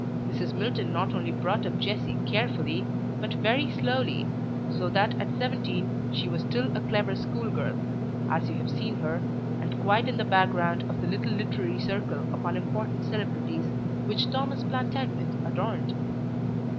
Mrs. Milton not only brought up Jessie carefully, but very slowly, so that at seventeen she was still a clever schoolgirl (as you have seen her) and quite in the background of the little literary circle of unimportant celebrities which 'Thomas Plantagenet' adorned.